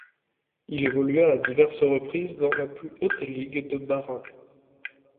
Il évolua à diverses reprises dans la plus haute ligue de Bas-Rhin.